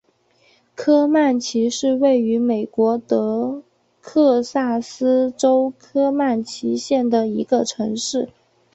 科曼奇是位于美国得克萨斯州科曼奇县的一个城市。